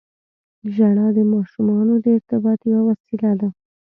• ژړا د ماشومانو د ارتباط یوه وسیله ده.